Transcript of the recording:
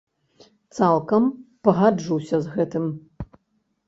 Цалкам пагаджуся з гэтым.